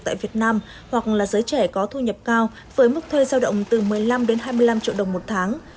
tại việt nam hoặc là giới trẻ có thu nhập cao với mức thuê giao động từ một mươi năm đến hai mươi năm triệu đồng một tháng